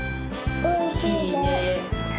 おいしいね。